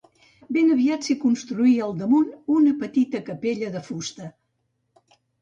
Ben aviat s'hi construí al damunt una petita capella de fusta.